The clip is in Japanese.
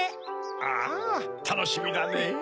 ああたのしみだねぇ。